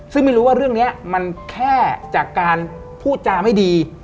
ซึ่งไม่รู้ว่าเรื่องนี้มันแค่จากการพูดจาไม่ดี